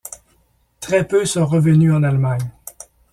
Très peu sont revenus en Allemagne.